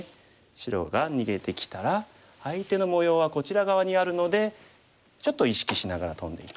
白が逃げてきたら相手の模様はこちら側にあるのでちょっと意識しながらトンでいく。